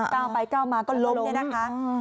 ก้าวไปก้าวมาก็ล้มเนี่ยนะคะ